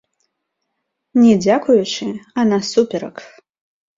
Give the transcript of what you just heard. Не дзякуючы, а насуперак!